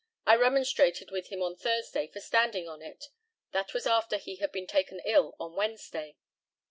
I remonstrated with him on Thursday for standing on it. That was after he had been taken ill on Wednesday.